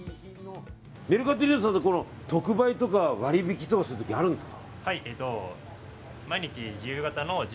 メルカティーノさんは特売とか割り引きするときあるんですか？